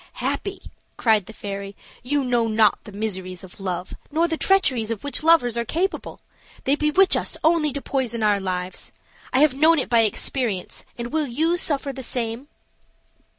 "Happy!" cried the fairy; "you know not the miseries of love nor the treacheries of which lovers are capable. They bewitch us only to poison our lives; I have known it by experience; and will you suffer the same?"